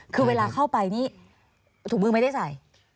คือเวลาเข้าไปนี่ถุงมือไม่ได้ใส่